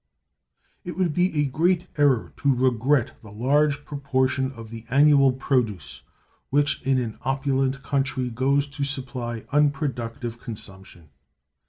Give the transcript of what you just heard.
It would be a great error to regret the large proportion of the annual produce, which in an opulent country goes to supply unproductive consumption.